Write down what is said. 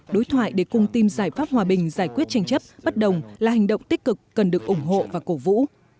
đối thoại để cùng tìm giải pháp hòa bình giải quyết tranh chấp bất đồng là hành động tích cực cần được ủng hộ và cổ vũ